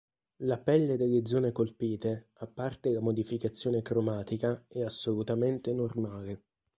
La pelle delle zone colpite, a parte la modificazione cromatica, è assolutamente normale.